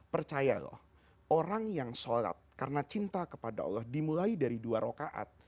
percayalah orang yang sholat karena cinta kepada allah dimulai dari dua rokaat